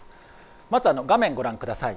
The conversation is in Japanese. まず画面をご覧ください。